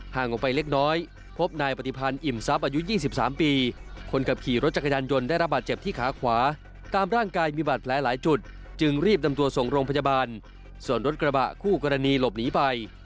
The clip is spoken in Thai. ออกไปเล็กน้อยพบนายปฏิพันธ์อิ่มทรัพย์อายุ๒๓ปีคนขับขี่รถจักรยานยนต์ได้รับบาดเจ็บที่ขาขวาตามร่างกายมีบาดแผลหลายจุดจึงรีบนำตัวส่งโรงพยาบาลส่วนรถกระบะคู่กรณีหลบหนีไป